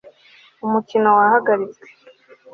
Umukino wahagaritswe